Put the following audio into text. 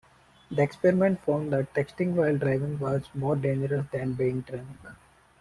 The experiment found that texting while driving was more dangerous than being drunk.